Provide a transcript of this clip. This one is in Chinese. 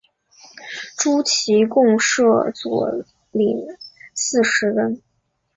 诸旗共设佐领四十人。